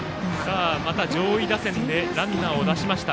また上位打線でランナーを出しました。